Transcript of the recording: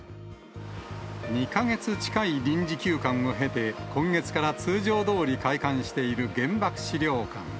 ２か月近い臨時休館を経て、今月から通常どおり開館している原爆資料館。